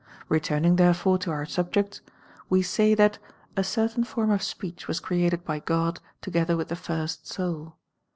Returning therefore to our subject, we say that I'^o'] a certain form of sjyjech was created by God together with the first soul.